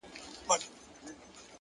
اخلاص د باور دروازې پرانیزي!.